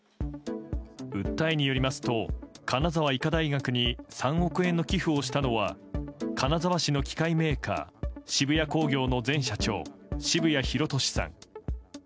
訴えによりますと金沢医科大学に３億円の寄付をしたのは金沢市の機械メーカー渋谷工業の前社長澁谷弘利さん。